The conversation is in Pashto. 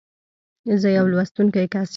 زه يو لوستونکی کس یم.